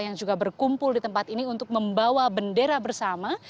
yang juga berkumpul di tempat ini untuk membawa bendera bersama